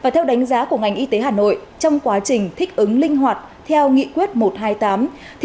theo đánh giá của ngành y tế hà nội trong quá trình thích ứng linh hoạt theo nghị quyết một trăm hai mươi tám